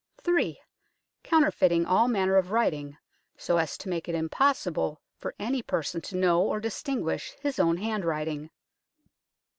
3. Counterfeiting all manner of writing, so as to make it impossible for any person to know or distinguish his own handwriting.